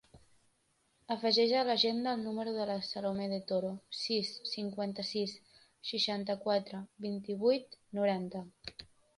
Afegeix a l'agenda el número de la Salomé De Toro: sis, cinquanta-sis, seixanta-quatre, vint-i-vuit, noranta.